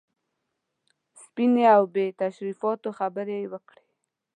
سپینې او بې تشریفاتو خبرې یې وکړې.